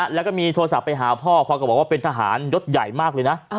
แล้วก็มีโทรศัพท์ไปหาพ่อพ่อก็บอกว่าเป็นทหารยศใหญ่มากเลยนะ